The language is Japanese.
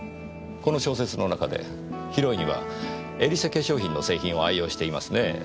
この小説の中でヒロインはエリセ化粧品の製品を愛用していますねぇ。